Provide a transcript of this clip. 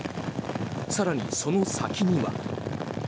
更に、その先には。